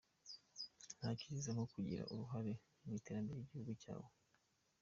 Nta cyiza nko kugira uruhare mu iterambere ry’igihugu cyawe.